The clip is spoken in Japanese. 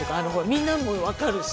みんなもわかるし。